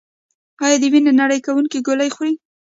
ایا د وینې نری کوونکې ګولۍ خورئ؟